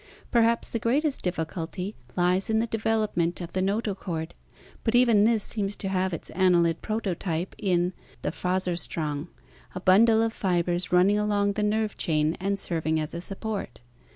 Per haps the greatest difficulty lies in the development of the noto chord, but even this seems to have its annelid prototype in "the 'Faserstrang,' a bundle of fibers running along the nerve chain and serving as a support.